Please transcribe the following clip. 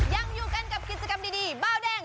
ยังอยู่กันกับกิจกรรมดีเบาแดง